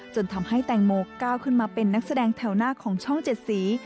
จนทำให้แตงโมก้าวขึ้นมาเป็นนักแสดงแถวหน้าของช่องเจ็ดสี